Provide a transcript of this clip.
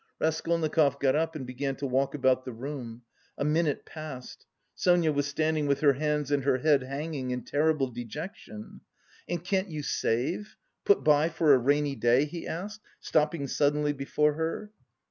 Raskolnikov got up and began to walk about the room. A minute passed. Sonia was standing with her hands and her head hanging in terrible dejection. "And can't you save? Put by for a rainy day?" he asked, stopping suddenly before her.